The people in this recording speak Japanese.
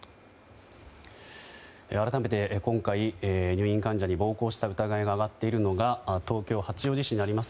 改めて今回、入院患者に暴行した疑いがあがっているのが東京・八王子市にあります